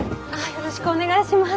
よろしくお願いします。